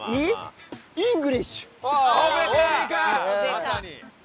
まさに。